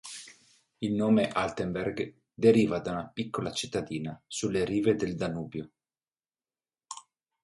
Il nome "Altenberg" deriva da una piccola cittadina sulle rive del Danubio.